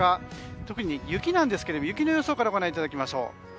特に雪ですね、雪の予想からご覧いただきましょう。